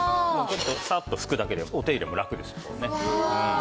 サッと拭くだけでお手入れもラクです。